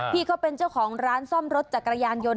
พี่เขาเป็นเจ้าของร้านซ่อมรถจักรยานยนต